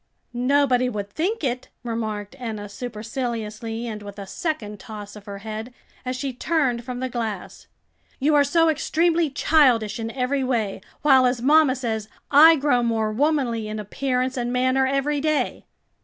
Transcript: "Nobody would think it," remarked Enna superciliously and with a second toss of her head, as she turned from the glass; "you are so extremely childish in every way, while, as mamma says, I grow more womanly in appearance and manner every day."